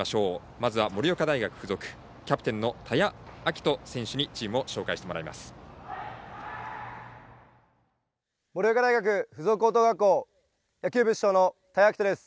まずは盛岡大学付属キャプテンの田屋瑛人選手にチームを紹介してもらいます。